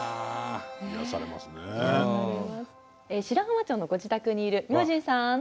白浜町のご自宅にいる明神さん。